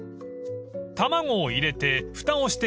［卵を入れてふたをして］